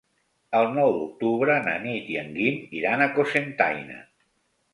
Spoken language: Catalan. El nou d'octubre na Nit i en Guim iran a Cocentaina.